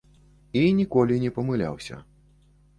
І ніколі не памыляўся.